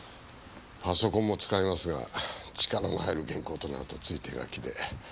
パソコンも使いますが力が入る原稿となるとつい手書きで。